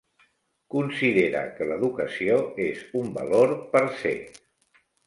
Considera que l'educació és un valor 'per se'.